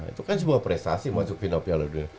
itu kan sebuah prestasi masuk final piala dunia